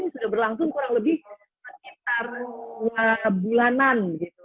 sudah berlangsung kurang lebih sekitar dua bulanan